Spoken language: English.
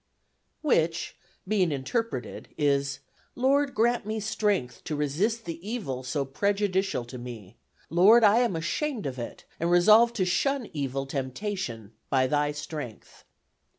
Which being interpreted is: "Lord, grant me Strength to resist the evil so prejudicial to me. Lord, I am ashamed of it and resolve to shun evil Temptation by thy Strength."